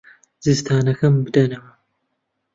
جزدانەکەم بدەنەوە.